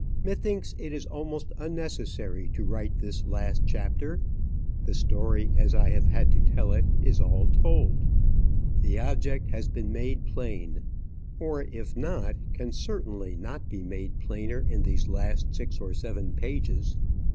Methinks it is almost unnecessary to write this last chapter. The story, as I have had to tell it, is all told. The object has been made plain or, if not, can certainly not be made plainer in these last six or seven pages.